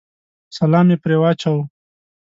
سلام مې پرې واچاوه.